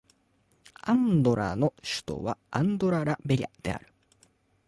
アンドラの首都はアンドラ・ラ・ベリャである